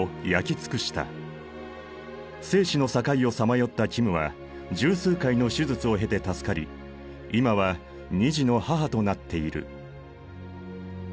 生死の境をさまよったキムは十数回の手術を経て助かり今は２児の母となっている。